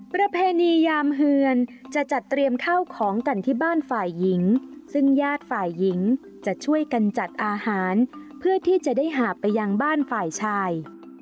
ประเพณียามเฮือนจะจัดเตรียมข้าวของกันที่บ้านฝ่ายหญิงซึ่งญาติฝ่ายหญิงจะช่วยกันจัดอาหารเพื่อที่จะได้หาบไปยังบ้านฝ่ายชาย